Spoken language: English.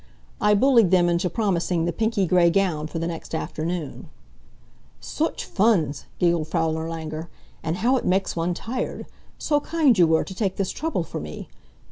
I bullied them into promising the pinky gray gown for the next afternoon. "Sooch funs!" giggled Frau Nirlanger, "and how it makes one tired. So kind you were, to take this trouble for me.